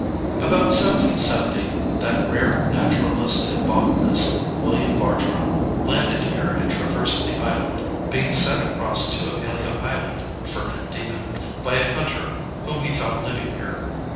About 1770 that rare naturalist and botanist, William Bartram, landed here and traversed the island, being set across to Amelia Island (Fernandina) by a hunter whom he found living here.